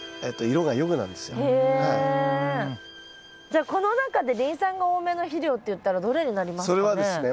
じゃあこの中でリン酸が多めの肥料っていったらどれになりますかね？